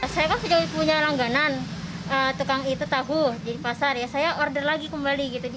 saya kan sudah punya langganan tukang itu tahu di pasar ya saya order lagi kembali gitu